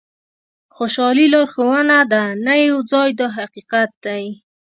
خوشالي لارښوونه ده نه یو ځای دا حقیقت دی.